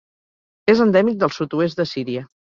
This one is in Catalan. És endèmic del sud-oest de Síria.